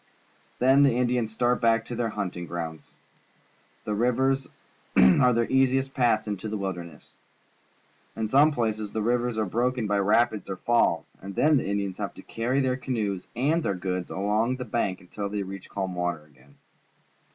Then the Indians stai't back to their hunting grounds. The rivers are their easi est paths into the wilderness. In some places the rivers are broken by rapids or falls, and then the Indians have to carry their canoes and their goods along the bank until they reach calm water again.